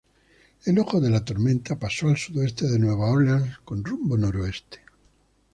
El ojo de la tormenta pasó al sudoeste de Nueva Orleans con rumbo noroeste.